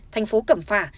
thành phố cẩm phả